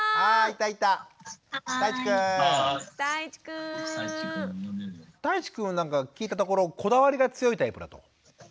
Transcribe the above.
たいちくんは聞いたところこだわりが強いタイプだと。